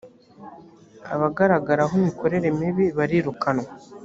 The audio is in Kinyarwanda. abagaragaraho imikorere mibi barirukanwa